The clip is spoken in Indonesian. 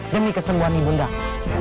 demi kesembuhan ibu undang